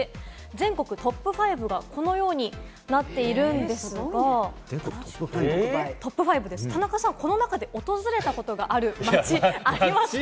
全国トップ５がこのようになっているんですが、田中さん、この中で訪れたことがある町ありますか？